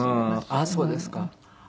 あっそうですか。